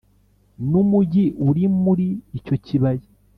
n’umugi uri muri icyo kibaya